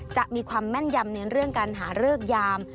จะมีความแม่นยำในเรื่องการหาเริกยาม